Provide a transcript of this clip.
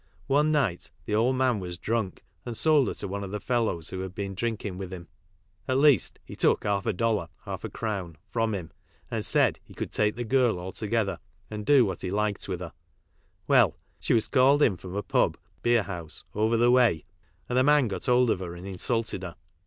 One night the old man was drunk and sold her to one of the fellows fc.i? /! beeD d u ,^ lnng with bim at least he took half a dollar (half a crown) from him, and said he could take the girl altogether and do what f n * ed b f * x We11 ' she wa s called in from a pub (beerhouse) over the way, and the an got Wd of her and insulted her.